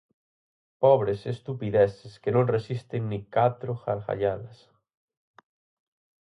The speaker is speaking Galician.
Pobres estupideces que non resisten nin catro gargalladas.